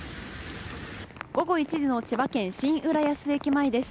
午後１時の千葉県新浦安駅前です。